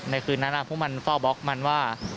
คืนนั้นพวกมันเฝ้าบล็อกมันว่า